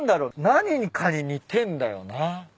何かに似てんだよな。